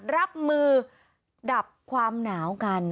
รับมือดับความหนาวกัน